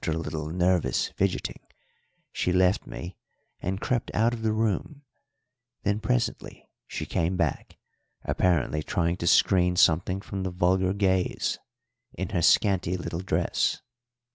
After a little nervous fidgeting she left me and crept out of the room; then presently she came back, apparently trying to screen something from the vulgar gaze in her scanty little dress.